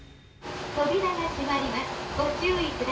扉が閉まります。